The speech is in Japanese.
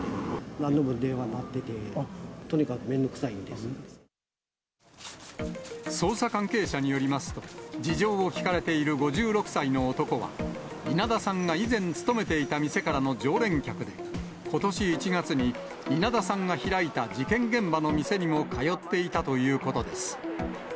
何度も電話が鳴ってて、捜査関係者によりますと、事情を聴かれている５６歳の男は、稲田さんが以前勤めていた店からの常連客で、ことし１月に稲田さんが開いた、事件現場の店にも通っていたということです。